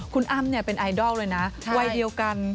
คุณอ้ำเป็นไอดอลเลยนะวัยเดียวกัน